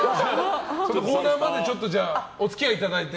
コーナーまでお付き合いいただいて。